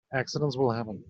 Accidents will happen.